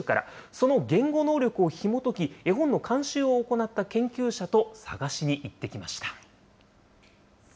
その言語能力をひもとき、絵本の監修を行った研究者と探しに行ってきました。